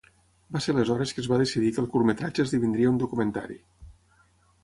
Va ser aleshores que es va decidir que el curtmetratge esdevindria un documentari.